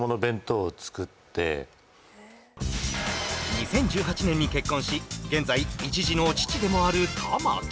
２０１８年に結婚し現在一児の父でもある玉木